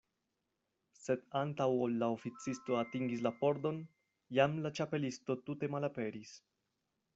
Sed antaŭ ol la oficisto atingis la pordon, jam la Ĉapelisto tute malaperis.